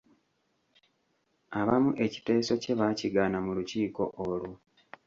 Abamu ekiteeso kye baakigaana mu lukiiko olwo.